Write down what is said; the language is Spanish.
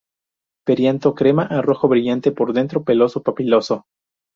Perianto crema a rojo brillante por dentro, peloso-papiloso.